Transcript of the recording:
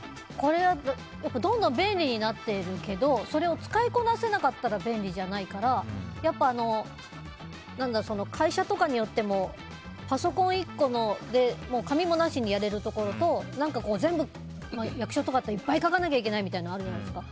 どんどん便利になっているけどそれを使いこなせなかったら便利じゃないからやっぱ、会社とかによってもパソコン１個で紙もなしにやれるところと何か全部、役所とかでいっぱい書かないといけないとかあるじゃないですか。